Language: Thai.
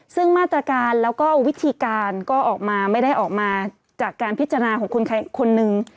ซึ่งมาตรการแล้วก็วิธีการก็ออกมาไม่ได้ออกมาจากการพิจารณาของคนคนหนึ่ง